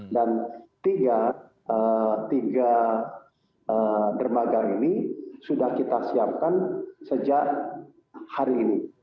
dan tiga dermaga ini sudah kita siapkan sejak hari ini